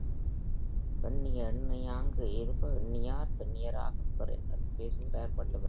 எண்ணிய எண்ணியாங் கெய்துப எண்ணியார் திண்ணிய ராகப் பெறின் என்று பேசுகிறார் வள்ளுவர்.